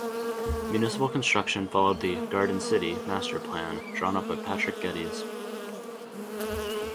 Municipal construction followed the "garden city" master plan drawn up by Patrick Geddes.